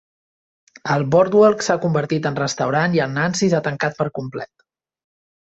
El Boardwalk s'ha convertit en restaurant i el Nancy's ha tancat per complet.